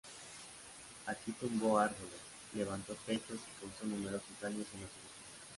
Aquí tumbó árboles, levantó techos y causó numerosos daños en los edificios.